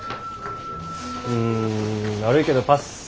うん悪いけどパス。